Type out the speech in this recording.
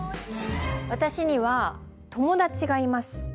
私には友達がいます。